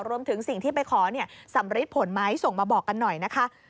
รวมถึงสิ่งที่ไปขอสำริดผลไหมส่งมาบอกกันหน่อยนะคะ